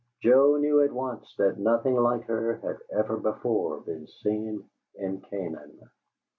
Joe knew at once that nothing like her had ever before been seen in Canaan.